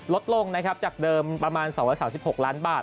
ลดลงนะครับจากเดิมประมาณ๒๓๖ล้านบาท